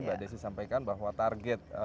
mbak desi sampaikan bahwa target